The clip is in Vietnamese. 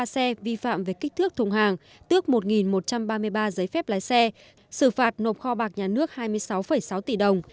một trăm chín mươi ba xe vi phạm về kích thước thùng hàng tước một một trăm ba mươi ba giấy phép lái xe xử phạt nộp kho bạc nhà nước hai mươi sáu sáu tỷ đồng